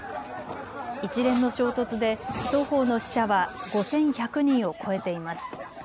一連の衝突で双方の死者は５１００人を超えています。